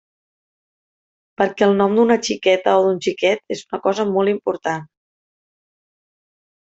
Perquè el nom d'una xiqueta o d'un xiquet és una cosa molt important.